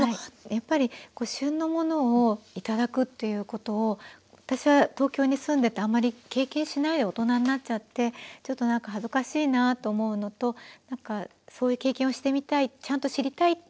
やっぱり旬のものを頂くっていうことを私は東京に住んでてあんまり経験しない大人になっちゃってちょっとなんか恥ずかしいなぁと思うのとそういう経験をしてみたいちゃんと知りたいっていう思いがあったんですね。